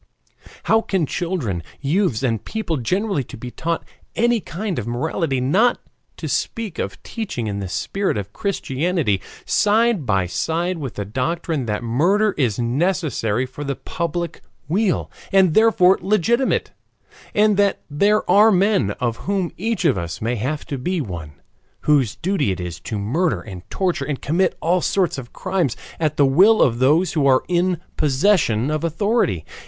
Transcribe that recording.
How can children, youths, and people generally be taught any kind of morality not to speak of teaching in the spirit of Christianity side by side with the doctrine that murder is necessary for the public weal, and therefore legitimate, and that there are men, of whom each of us may have to be one, whose duty is to murder and torture and commit all sorts of crimes at the will of those who are in possession of authority.